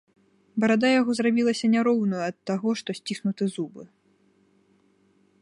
Барада яго зрабілася няроўнаю ад таго, што сціснуты зубы.